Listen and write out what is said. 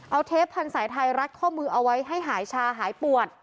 เอาเทปพันธุ์สายไทยรัดข้อมือเอาไว้ให้หายชาหายปวด